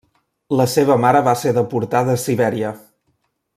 La seva mare va ser deportada a Sibèria.